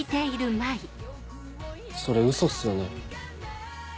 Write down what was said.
それウソっすよね。